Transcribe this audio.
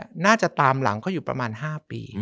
น่าจะตามหลังเขาอยู่ประมาณ๕ปี